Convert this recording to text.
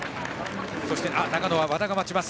そして長野は和田が待ちます。